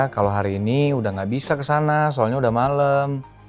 kalau hari ini udah gak bisa kesana soalnya udah malem